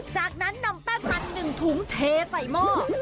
จากนั้นนำแป้งมัน๑ถุงเทใส่หม้อ